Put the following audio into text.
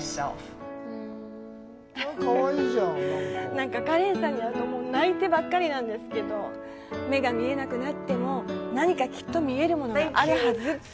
なんかカレンさんに会うと泣いてばっかりなんですけど、目が見えなくなっても何かきっと見えるものがあるはずって。